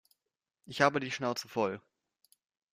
Ich habe die Schnauze voll.